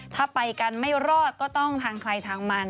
ถ้าไปกันไม่รอดก็ต้องทางใครทางมัน